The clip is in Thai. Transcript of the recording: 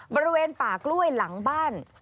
บริเวณป่ากล้วยหลังบ้าน